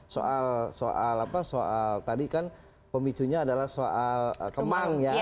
soal tadi kan pemicunya adalah soal kemang ya